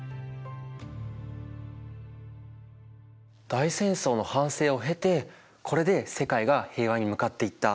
大戦争の反省を経てこれで世界が平和に向かっていった。